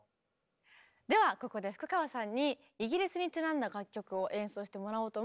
ではここで福川さんにイギリスにちなんだ楽曲を演奏してもらおうと思うんですが。